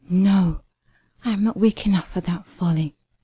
No, I am not weak enough for that folly."